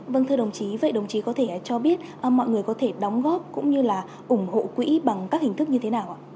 vâng thưa đồng chí vậy đồng chí có thể cho biết mọi người có thể đóng góp cũng như là ủng hộ quỹ bằng các hình thức như thế nào ạ